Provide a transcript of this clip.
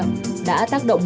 đã tác động bất động sản